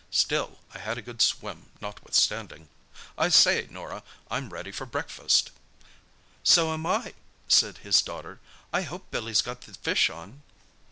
Still, I had a good swim, notwithstanding. I say, Norah, I'm ready for breakfast." "So am I," said his daughter. "I hope Billy's got the fish on!"